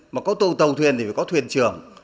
mà có tàu thuyền thì phải có thuyền trưởng